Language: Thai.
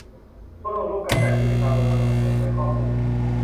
ทั่วโลกร่วมกันจัดกิจกรรมรณรงค์ให้เปิดเผยข้อมูล